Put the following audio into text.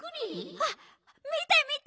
はっみてみて！